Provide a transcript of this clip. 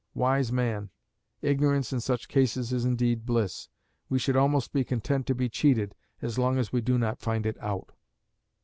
Wise man! ignorance in such cases is indeed bliss. We should almost be content to be cheated as long as we do not find it out.